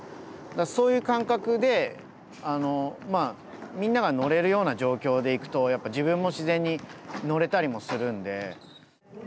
そういう感覚でみんなが乗れるような状況で行くとやっぱ自分も自然に乗れたりもするんで。